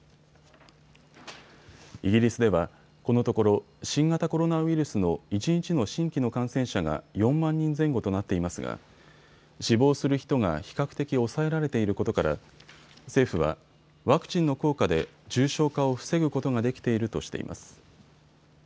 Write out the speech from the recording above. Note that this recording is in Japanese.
イギリスではこのところ、新型コロナウイルスの一日の新規の感染者が４万人前後となっていますが死亡する人が比較的抑えられていることから政府はワクチンの効果で重症化を防ぐことができているとしています。